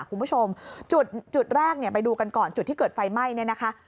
คุณผู้ชมจุดแรกเนี่ยไปดูกันก่อนจุดที่เกิดไฟไหม้เนี่ยนะคะ